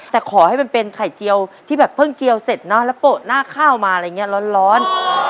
แต่ขอให้มันเป็นไข่เจียวที่แบบเพิ่งเจียวเสร็จเนอะแล้วโปะหน้าข้าวมาอะไรอย่างนี้ร้อน